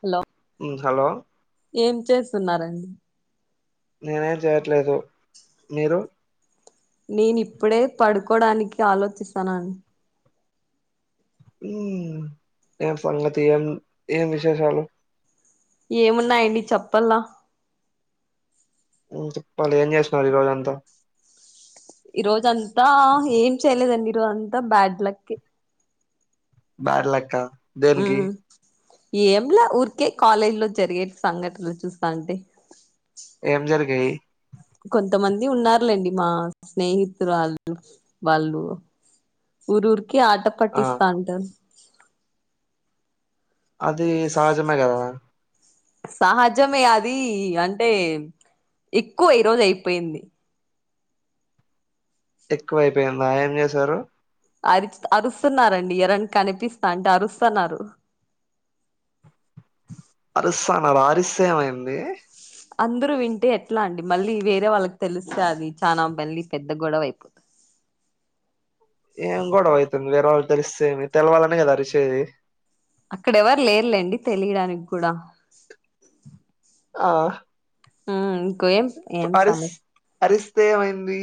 Hello మ్మ్ hello ఏం చేస్తున్నారండి నేనేం చేయట్లేదు మీరు నేను ఇప్పుడే పడుకోడానికి ఆలోచిస్తాన్నాను హ్మ్ ఏం సంగతి ఏం ఏం విశేషాలు ఏమున్నాయండి చెప్పలా నువ్ చెప్పాలి ఎం చేస్తున్నారు ఈరోజంతా ఈరోజంతా ఏం చెయలేదండి ఈరోజంతా బ్యాడ్ లక్ యే బాడ్ లక్ ఆ ఆ ఏంలా ఊరికే కాలేజీ లో జరిగే సంఘటనలు చూస్తా ఉంటే ఎం జరిగి కొంతమంది ఉన్నారులేండి మా స్నేహితురాళ్ళు వాళ్ళు ఊరు ఊరికి ఆట ఆ పట్టిస్తావుంటారు అది సహజమే కదా సహజమే అది అంటే ఎక్కువ ఈ రోజు అయిపోయింది ఎక్కువ అయ్పోయింద ఆ ఏం చేశారు అరి అరుస్తున్నారండి ఎరన్ కనిపిస్తా అంటే అరుస్తున్నారు అరుస్తా ఉన్నారా అరిస్తే ఏమైంది అందరూ వింటే ఎట్లా అండి మళ్ళీ వేరే వాళ్ళకి తెలిస్తే అది చానా మళ్ళీ పెద్ద గొడవ అయిపోతుంది ఏం గొడవ అవుతుంది వేరే వాళ్ళు తెలిస్తేమి తెలవాలనే కదా అరిచేది అక్కడెవరు లేర్లేండి తెలియడానికి కూడా ఆ ఆ ఇంకో ఏం ఏం సమస్యా స్తేమైంది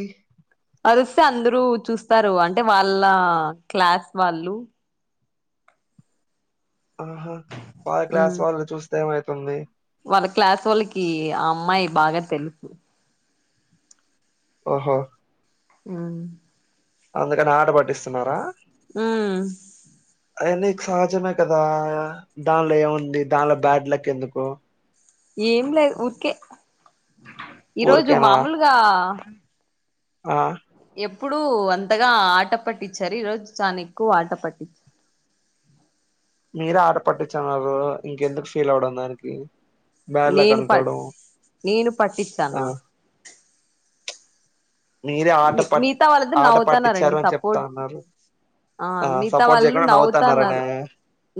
అరిస్తే అందరు చూస్తారు అంటే వాళ్ళ క్లాస్ వాళ్ళు ఆహా వాళ్ళ ఉమ్ క్లాస్ వాళ్ళు చూస్తే ఏవైతుంది వాళ్ళ క్లాసు వాళ్ళకి ఆ అమ్మాయి బాగా తెలుసు ఓహా హ్మ్ అందుకని ఆట పట్టిస్తున్నారా ఊ అది నీకు సహజమే కదా దానిలో ఏముంది దానిలో బ్యాడ్ లక్ ఎందుకు ఏం లేదు ఉరికే ఈరోజు ఊరికేనా మామూలుగా ఆ ఎప్పుడు అంతగా ఆట పట్టించారు ఈ రోజు చాలా ఎక్కువ ఆట పట్టించారు మీర ఆట పట్టించన్నారు ఇంకెందుకు ఫీల్ అవ్వడం దానికి బాడ్ లక్ నేను పట్ అనుకోవడం నేను ఆ పట్టించానా మీరే ఆట మి పట్ మిగతా వాళ్ళతో ఆట పట్టించారు నవ్వుతున్నారండి అని చెప్తా సపోర్ట్ ఉన్నారు ఆ మిగతా సపోర్ట్ వాళ్ళు చేయకుండా నవతాన్నారనే నవ్వుతన్నారు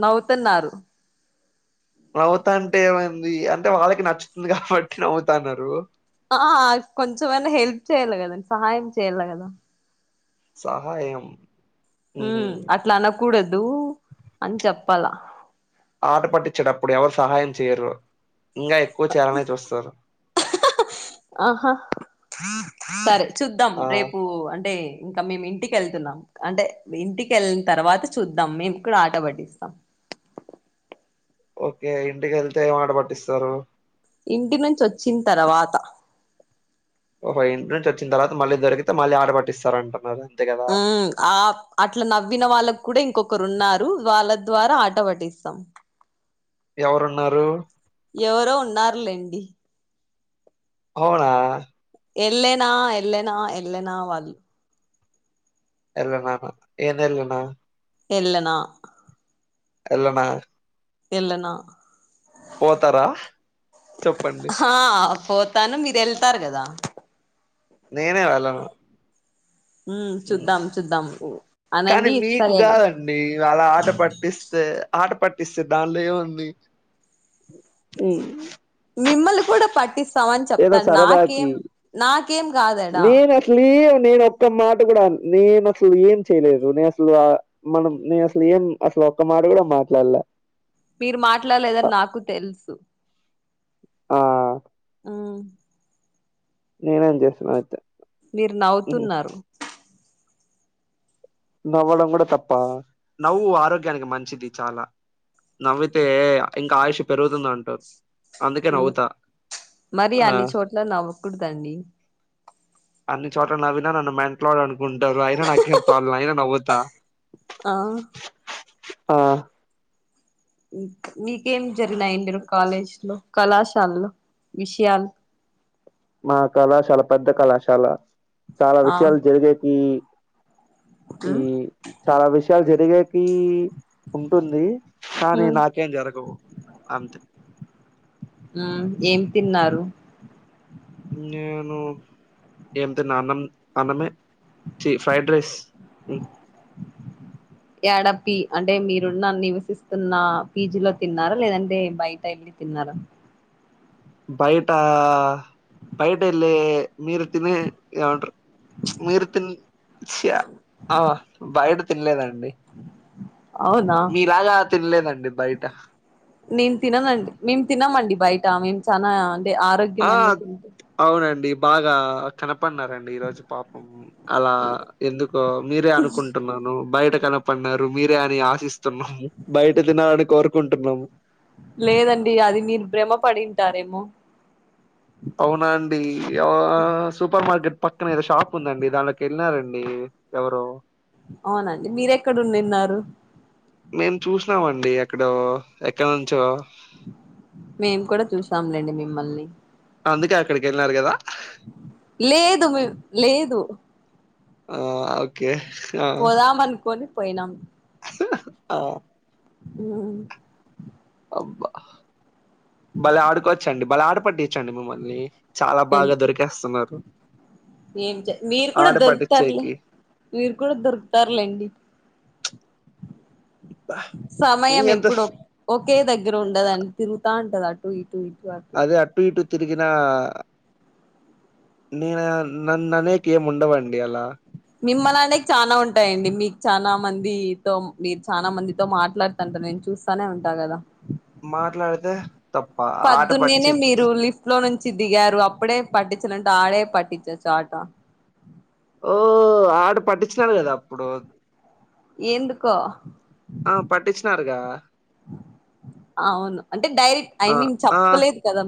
నవ్వుతున్నారు నవ్వుతా అంటే ఏమైంది అంటే వాళ్ళకి నచ్చుతుంది కాబట్టి నవ్వుతన్నారు ఆ కొంచెమనా హెల్ప్ చేయ్యాలి కదండి సహాయం చేయ్యాలి కదా సహాయం హ ఉహు అట్లా అనకూడదు అని చెప్పాల ఆట పట్టించేటప్పుడు ఎవరు సహాయం చేయరు ఇంకా ఎక్కువ చేయాలనే చూస్తారు ఆహా సరే చూద్దాం ఆ రేపు అంటే ఇంకా మేము ఇంటికి వెళ్తున్నాం అంటే ఇంటికి వెళ్ళిన తర్వాత చూద్దాం మేము కూడా ఆట పట్డిస్తాం ఓకే ఇంటిక వెళ్తే ఏమాట పట్టిస్తారు ఇంటి నుంచి వచ్చిన తర్వాత ఓహో ఇంటి నుంచి వచ్చిన తర్వాత మళ్ళీ దొరికితే మళ్ళీ ఆడబట్టిస్తారు అంటున్నారు ఉ ఆ అట్లా నవ్విన వాళ్ళకు కూడా ఇంకొకరు ఉన్నారు వాళ్ళ ద్వారా ఆట పటిస్తాం ఎవరున్నారు ఎవరో ఉన్నారులేండి అవునా ఎళ్ళనా ఎళ్ళేనా ఎళ్ళనా వాళ్ళు ఎల నానా ఏన్లనా ఎలనా ఎలనా ఎళనా పోతారా చెప్పండి హా పోతాను మీరు వెళ్తారు కదా నేనే వెళ్ళన్నా ఉ చూద్దాం చూద్దాం కానీ అనండి మీకు సరే కాదండి అలా ఆట పట్టిస్తే ఆట పట్టిస్తే దానిలో ఏ ఉంది మిమ్మల్ కూడా పట్టిస్తామని చెప్తాను నాకేం ఎం నాకు నేనే క్లియర్ నేను ఒక్క మాట కూడా నేను అసలు ఏం చేయలేదు నేను అసలు మనం నేను అసలు ఏం అసలు ఒక్క మాట కూడా మాట్లాడలే మీరు అ మాట్లాడలేదని నాకు తెలుసు ఆ ఆ నేనేం చేసినా అయితే మీరు హ్మ్. నవ్వుతున్నారు నవ్వడం కూడా తప్ప నవ్వు ఆరోగ్యానికి మంచిది చాలా నవ్వితే ఇంకా ఆయుష్ పెరుగుతుంద అంటారు అందుకే ఉ నవ్వుతా మరి ఆ అన్ని చోట్ల నవ్వకూడదండి అన్ని చోట్ల నవ్వన నన్ను మెంట్లాడ్ అనుకుంటారు అయినా నాకేం ప్రాబ్లం అయినా నవ్వుతా ఆ ఆ మీకేం జరిగినాయి మీరు కాలేజ్ లో కళాశాలలో విషయలు మా కళాశాల పెద్ద కళాశాల చాలా ఆ విషయాలు జరిగేది ఈ ఉమ్ చాలా విషయాలు జరిగే ఉంటుంది కానీ నాకేం జరగవు అంతే ఊ తిన్నారు నేను ఏం తిన్న అన్నం అన్నమే చి ఫైడ్ రైస్ ఏడ పి అంటే మీరున్న నివసిస్తున్న పీజీలో తిన్నారా లేదంటే బయట వెళ్ళి తిన్నార అలా బయట బయట ఎల్ మీరు తినే ఏవంటర్ మీరు తన్ చ ఆ బయడ తిన్నలేదం అవునా మీలాగా తినలేదండి బయట నన్ తిననండి మీన్ తినమండి బయట్ టా మేము చాన ఆ అవునండి బాగా కనప కనపన్నారండి పాపం ఈ రోజు పాపం అలా ఎందుకో మీరే అనుకుంటున్నాను బయట కన పన్నారు మీరే అని ఆశిస్తున్నాము బయట తినాలని కోరుకుంటున్నాము లేదండి అది మీరు భ్రమ పడింటారేమో అవునాండి ఆ సూపర్ మార్కెట్ పక్కనేద షాప్ ఉందండి దానిలోకి వెళ్ళినారండి ఎవరు అవునండి మీర ఎక్కడుండిన్నారు మేము చూసినామండి ఎక్కడో ఎక్కడ నుంచో మల్ళి అందుకే అక్కడికిళ్ళినారు కదా లేదు మీ లేదు ఆ ఓకే ఆ! పోదాం అనుకని పోయినాం ఆ ఊ అబ్బా బలే ఆడుకోవచ్చండి బళ్లే ఆడ పట్టించండి మిమ్మల్ని చాలా ఎన్ బాగా దొరికేస్తున్నారు ఏం చె మీరు కూడా ఆట దొరుకుతారులే పట్టిచ్చేకి. మీరు కూడా దొరుకుతారులేండి సమయం ఎంత ఎప్పుడు స్ ఒకే దగ్గర ఉండదని తిరుగుతా ఉంటది అటు ఇటు ఇటు అదే అటు ఇటు తిరిగినా నేను నన్ను అనేకి ఏమి ఉండవండి అలా మిమ్మలానేకి చానా ఉన్ ఉంటాయండి మీకు చానా మంది తో మీరు చానా మందితో మాట్లాడుతంటారు నేను చూస్తానే ఉంటా కదా. మాట్లాడితే తప్ప. ఆట పద్దున్నేనే పట్టిచి మీరు లిఫ్ట్లో నున్ చ్చి దిగారు అప్పుడే పట్టించలంటే ఆడే పట్టించచ్చు ఆట. ఓ ఆడ పట్టించినారు కదా అప్పుడు ఎందుకో ఆ పట్టించినరుగా అవును అన్ ఆ ఆ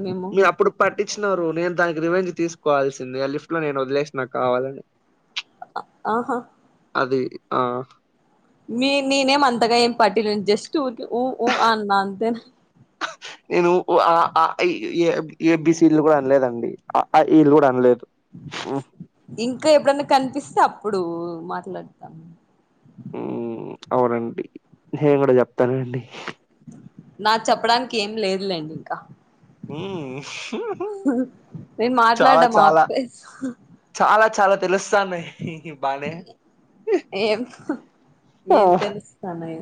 మేము మీరు అప్పుడు పట్టించినారు నేను దానికి రివెంజ్ తీసుకోవాల్సిందే ఆ లిఫ్ట్లో నేను వదిలేసిన కావాలని. ఆహా అది ఆ మీ నేనేం అంతగా ఏం పటిలే జస్ట్ ఊరికే ఉ ఉ ఆ అన్నా అంతే. నేను ఉ ఆ అ ఇ ఇ ఎ ఏ బి సీ కూడా అనలేదండి అ ఆ ఇ లు కూడా అనలేదు. ఇంకా ఎప్పుడన్నా కనిపిస్తే అప్పుడు మాట్లాడతాం. ఉ అవునండి నేను కూడా చెప్తానండి ఇంకేం లేదు లేండి ఇంకా ఉ నేను చాలా మాట్లాడడం చాలా ఆపేసా చాలా చాలా తెలుస్తాన్నాయ్ బానే హ్ ఏం ఏం ఓహ్ తెలుస్తానయ్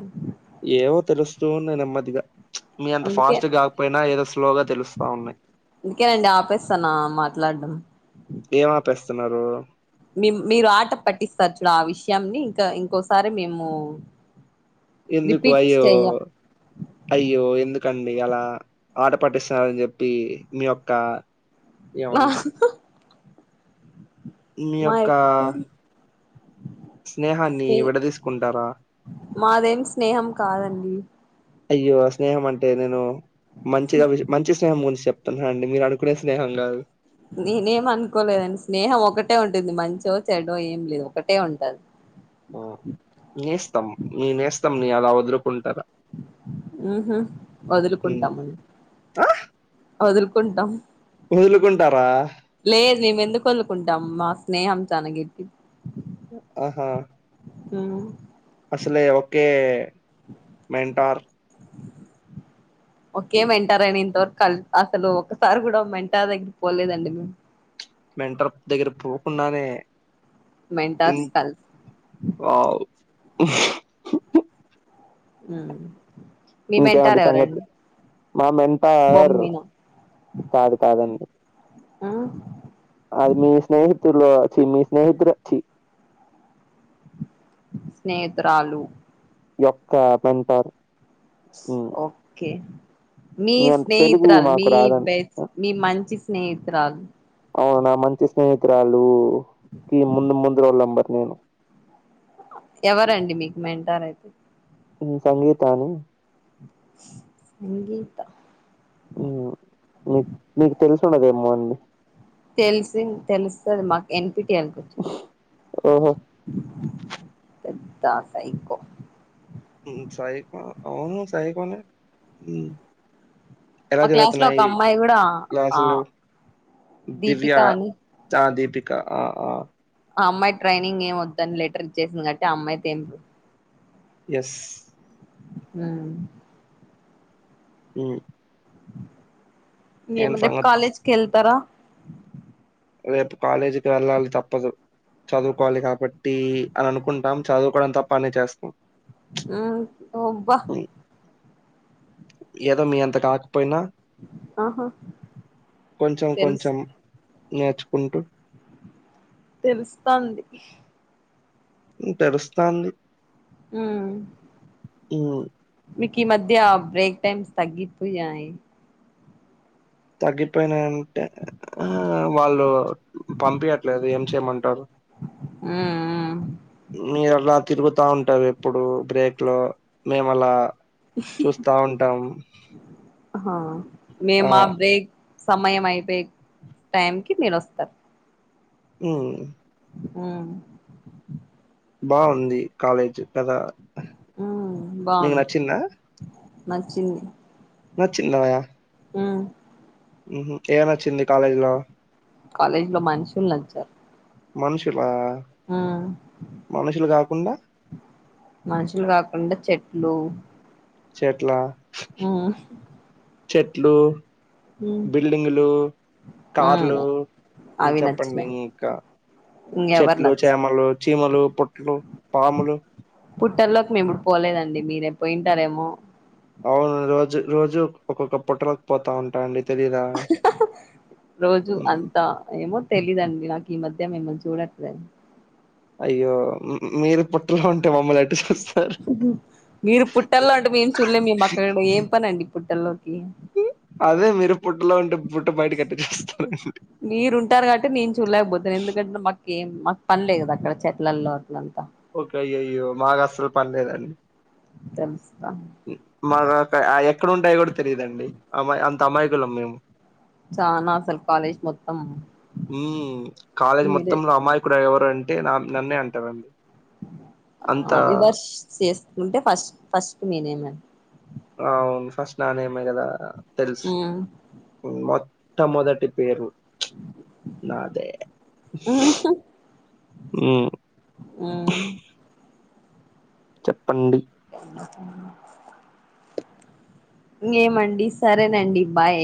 ఏవో తెలుస్తూ ఉన్నాయ్ నెమ్మదిగా చ్ మీ అంత అందుకే ఫాస్ట్ గాకపోయినా ఏదో స్లోగా తెలుస్తా ఉన్నాయ్. ఇందుకేనండి ఆపేస్తాన్నా మాట్లాడం ఏం ఆపేస్తున్నారు మీ మీరు ఆట పట్టిస్తారు చూడు ఆ విషయాన్ని ఇంకా ఇంకోసారి మేము ఎందుకు రిపీట్ అయ్యో చెయ్యం అయ్యో ఎందుక్ కండి అలా ఆట పట్టిస్తున్నారని చెప్పి మీ యొక్క నా ఏమంటారు హహు మీ యొక్క స్నేహాన్ని స్నే విడదీసుకుంటారా మాదేం స్నేహం కాదండి అయ్యో స్నేహం అంటే నేను మంచిగా మంచి స్నేహం ముంచి చెప్ తండి మీరు అడుకునే స్నేహం కాదు నేనేం అనుకోలేదండి స్నేహం ఒకటే ఉంటుంది మంచో చెడో ఏం లేదు ఒకటే ఉంటాది. ఆ, త్తం నీయలాదరు ఉహు ఉమ్. వదులుకుంటామం మనం వదులుకుంటాం వొదులుకుంటారా లేదు మేము ఎందుకు వొదులుకుంటాం మా స్నేహం చానా గెట్టిది. ఆహా ఉ అసలే ఓకే మెంటార్ ఓకే మెంటారని ఇంత వరక్ కల్ అసలు ఒకసారి కూడా మెంటా దగ్గరకి పోలేదండి మేము. మెంటరప్ దగ్గర పోకుండానే ఇన్ మెంటార్స్ కల్స్ వావ్ ఆ ఇంకేమండి సంగతి మా మెంటారు బొమ్మిన కాదు కాదండి ఆ ఆది నీ స్నేహితులు చ్చి నీ స్నేహితుడచ్చి స్నేహితురాలు యొక్క మెంటార్ స్ ఓకే మీ నీ అంత తెలుగు స్నేహితురాలు మాకు మీ రాదని బెస్ మీ మంచి స్నేహితురాలు అవునా మంచి స్నేహితురాలు కి ముందు ముందు రూల్ నెంబర్ నేను ఎవరండి మీకు మెంటారయితే సంగీతా అని సంగీత ఉమ్ మీక్ మీకు తెలుసుండదేమో అండి తెలిసిన్ తెలుస్తది మాకు ఎన్ పి టీ ఎల్ కొచ్చిండని ఓహో పెద్దాక ఇకో అవును సైకొనే ఎలా మా క్లాస్ లో ఒక జరుగుతున్నాయి అమ్మాయి కూడా ఆ క్లాసులు దీపిక దివ్యా అని ఆ దీపిక ఆ అ ఆ అమ్మాయి ట్రైనింగ్ ఏమొద్దని లెటర్ ఇచ్చేసింది గాబట్టి ఆ అమ్మాయి [unintelligible] ఎస్ ఉమ్ ఉమ్ ఏమో రేప్ సంగతి కాలెజ్కేల్తరా రేపు కాలేజీకి వెళ్ళాలి తప్పదు చదువుకోవాలి కాబట్టి అని అనుకుంటాం చదువుకోవడం తప్ప అన్నీ చేస్తాం ఆ ఒబ్బా ఉమ్, ఏదో మీ అంత కాక పోయినా ఆహా కొంచెం తెలుసు కొంచెం నేర్చుకుంటూ తెలుస్తాంది ఉమ్ తెలుస్తాంది ఆ హ్మ్. మీకీమధ్య బ్రేక్ టైమ్స్ తగ్గిపోయాయి తగ్గిపోయినయన్ ఆ వాళ్ళు పంపియట్లేదు ఏం చేయమంటారు మీరలా తిరుగుతా ఉంటరు ఎప్పుడు బ్రేక్ లో మేమలా చూస్తా ఉంటాం హా మేము ఆ! మా బ్రేక్ సమయం అయిపోయే టైంకి మీరోస్తరు ఉమ్ ఆ బావుంది కాలేజ్ కదా మీకు నచ్చిందా మచ్చింది నచిందా ఆ ఉహు ఏం నచ్చింది కాలేజీ లో కాలేజ్ లో మనుషులు నచ్చారు మనుషులా ఉమ్ మనుషులు కాకుండా కొండ చెట్లు చెట్లా ఊ చెట్లు బిల్డింగులు ఉమ్ కార్లు ఉ అవి చెప్పండి నచ్చినాయి ఇంకా ఇంకెవరు చెట్లు నచ్చ చేమలు చీమలు పుట్లు పాములు మేముప్పుడు పోలేదండి మీరే పోయింటారేమో అవును రోజు రోజు ఒక్కొక్క పుటలోకు పోతా ఉంటాండి రోజు మ్, అంతా ఏమో తెలీదండి నాకు ఈ మధ్య మిమ్మల్ని చూడట్ లే అయ్యో మీరు పుట్టలో ఉంటే మమ్మలు ఎట్ట చూస్త మీరు పుట్టల్లో ఉంటే మేం చూడలే మీ అక్క ఏం పనండి పుట్టల్లోకి అదే మీరు పుట్ బుట్ట బయట మీరుంటారు కాబటి నేను చూడలేకపోతాను ఎందుకంటే మా కెం మాకు పనిలే కదా అక్కడ చెట్లల్లో అట్ల ఒకయ్యయ్యో మాకు అస్సలు పనిలేదండి తెలుసు గా మాకు అయ ఎక్కడ ఉంటాయ కూడా తెలియదండి అమ్మా అంత అమాయికులం మేము చానా అసలు కాలేజ్ మొత్తం ఉ కాలేజ్ మీరే మొత్తం అమయికుడు ఎవరు అంటే నన్నే అంటారండి అంత ఆ రివర్స్ చేసుకుంటే ఫస్ట్ ఫస్ట్ నేనేనండి అవును ఫస్ట్ నానేమ కదా తెలుసు ఉమ్ మొ ఇట్ట మొదటి పేరు నాదే మ్మ్ ఊ చెప్పండి ఏమండి సరేనండి బాయ్